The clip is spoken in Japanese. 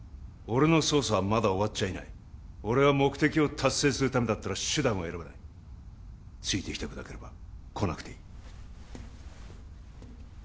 俺の捜査はまだ終わっちゃいない俺は目的を達成するためだったら手段を選ばないついてきたくなければ来なくていい